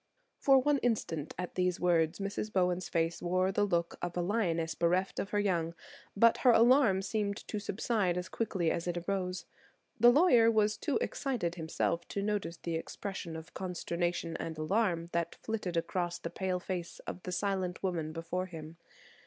For one instant, at these words, Mrs. Bowen's face wore the look of a lioness bereft of her young; but her alarm seemed to subside as quickly as it arose. The lawyer was too excited himself to notice the expressions of consternation and alarm that flitted across the pale face of the silent woman before him.